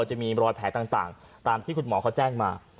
จะมีรอยแผลต่างตามที่คุณหมอเขาแจ้งมา